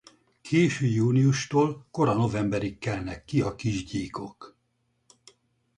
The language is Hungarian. Késő júniustól kora novemberig kelnek ki a kis gyíkok.